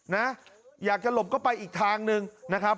นะอยากจะหลบก็ไปอีกทางหนึ่งนะครับ